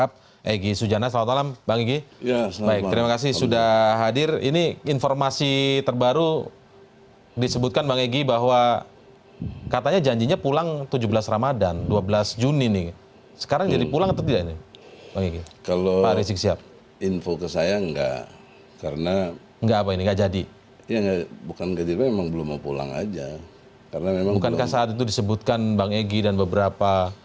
bukankah itu disebutkan bang egy dan beberapa